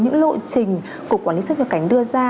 những lộ trình của quản lý sức nhập cảnh đưa ra